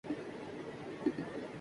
عشق کی آگ لگی ہو تو دھواں ہوتا ہے